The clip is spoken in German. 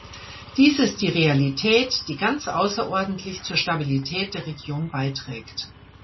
Dies ist die Realität, die ganz außerordentlich zur Stabilität der Region beiträgt.